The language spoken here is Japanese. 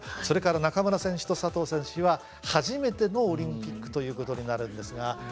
それから中村選手と佐藤選手は初めてのオリンピックということになるんですが。